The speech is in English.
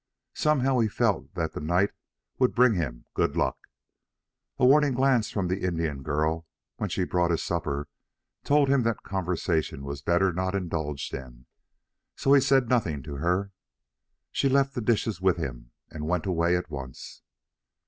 Somehow he felt that the night would bring him good luck. A warning glance from the Indian girl when she brought his supper told him that conversation were better not indulged in, so he said nothing to her. She left the dishes with him and went away at once.